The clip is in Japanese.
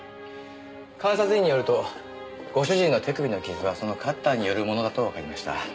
監察医によるとご主人の手首の傷はそのカッターによるものだとわかりました。